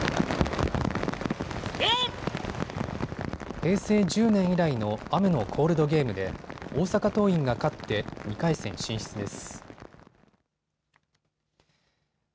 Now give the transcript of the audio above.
平成１０年以来の雨のコールドゲームで大阪桐蔭が勝って２回戦進出です。